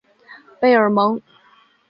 贝尔蒙。